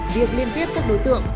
việc liên tiếp các đối tượng